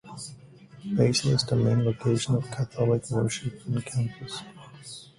Basil is the main location of Catholic worship on campus.